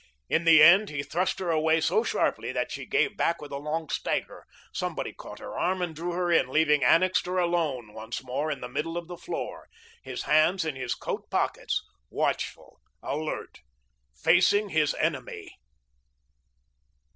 In the end he thrust her away so sharply that she gave back with a long stagger; somebody caught her arm and drew her in, leaving Annixter alone once more in the middle of the floor, his hands in his coat pockets, watchful, alert, facing his enemy.